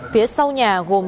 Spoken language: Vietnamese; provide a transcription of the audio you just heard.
phía sau nhà gồm